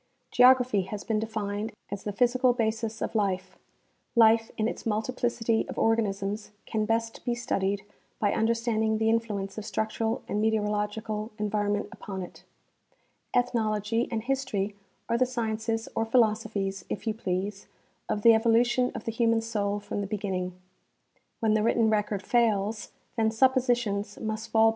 Geography has been defined as the physical basis of life ; life in its multi plicity of organisms can best be studied by understanding the influence of structural and meteorological environment upon it. Ethnology and history are the sciences or philosophies, if you please, of the evolution of the human soul from the beginning. When the written record fails, then suppositions must fall back ■ (125) 126 F. W.